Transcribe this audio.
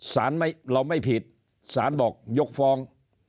เราไม่ผิดสารบอกยกฟ้อง